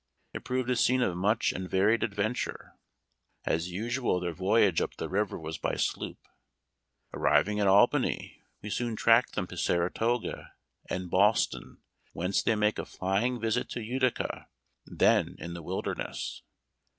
It proved a scene of much and varied adventure. As usual, their voyage up the river was by sloop. Arriving at Albany, we soon track them to Saratoga and Ballston, whence they make a flying visit to Utica, then in the wilderness.